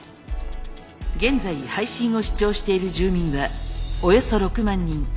現在配信を視聴している住民はおよそ６万人。